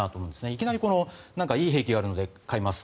いきなりいい兵器があるので買います